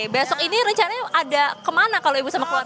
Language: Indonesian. besok ini rencananya ada kemana kalau ibu sama keluarga